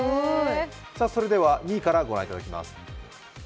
それでは、２位からご覧いただきます。